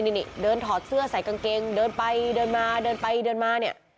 นี่เดินถอดเสื้อใส่กางเกงเดินไปเดินมาเดินไปเดินมาเนี่ย